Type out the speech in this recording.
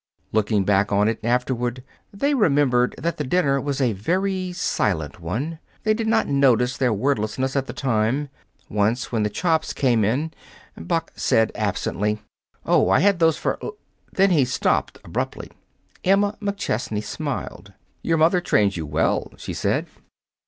Looking back on it, afterward, they remembered that the dinner was a very silent one. They did not notice their wordlessness at the time. Once, when the chops came on, Buck said absently, "Oh, I had those for l " Then he stopped abruptly. Emma McChesney smiled. "Your mother trained you well," she said.